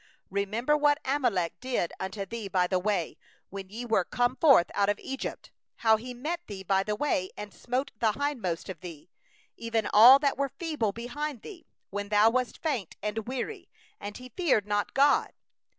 17Remember what Amalek did unto thee by the way as ye came forth out of Egypt; 18how he met thee by the way, and smote the hindmost of thee, all that were enfeebled in thy rear, when thou wast faint and weary; and he feared not God.